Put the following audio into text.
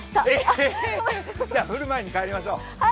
じゃあ降る前に帰りましょう。